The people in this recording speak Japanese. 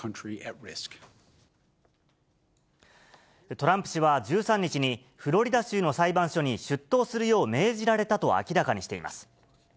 トランプ氏は１３日に、フロリダ州の裁判所に出頭するよう命じられたと明らかにしています。